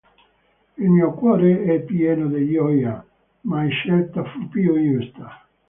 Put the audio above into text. Il mio cuore è pieno di gioia, mai scelta fu più giusta".